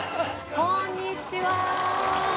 こんにちは。